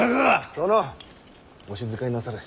殿お静かになされ。